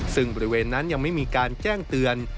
ซึ่งบริเวณนั้นยังไม่มีการแจ้งเตือน